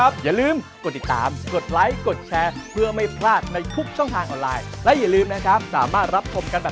สวัสดีครับ